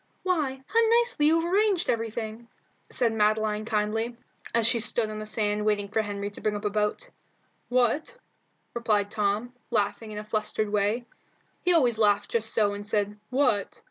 "Why, how nicely you have arranged everything!" said Madeline kindly, as she stood on the sand waiting for Henry to bring up a boat. "What?" replied Tom, laughing in a flustered way. He always laughed just so and said "what?"